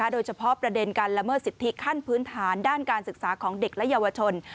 โดยเฉพาะประเด็นการละเมิดสิทธิขั้นพื้นฐานด้านการศึกษาของเด็กและเยาวชน